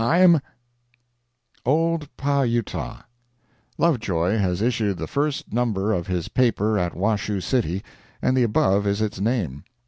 "THE OLD PAH UTAH" Lovejoy has issued the first number of his paper at Washoe City, and the above is its name.